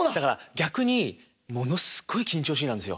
逆にものすごい緊張しいなんですよ。